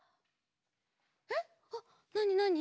えっ？あっなになに？